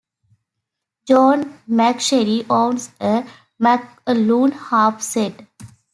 John McSherry owns a McAloon half-set.